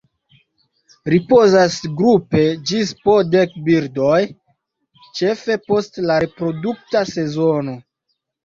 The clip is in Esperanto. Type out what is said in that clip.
Ripozas grupe ĝis po dek birdoj ĉefe post la reprodukta sezono.